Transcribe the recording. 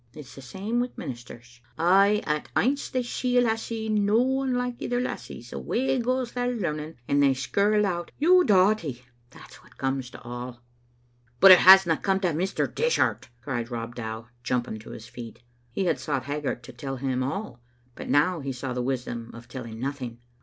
It's the same wi' ministers. A' at aince they see a lassie no* unlike ither lassies, away goes their learn ing, and they skirl out, 'You dawtie!' That's what comes to all." " But it hasna come to Mr. Dishart," cried Rob Dow, jumping to his feet. He had sought Haggart to tell him all, but now he saw the wisdom of telling nothing.